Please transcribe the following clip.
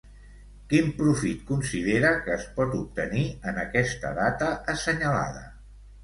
Quin profit considera que es pot obtenir en aquesta data assenyalada?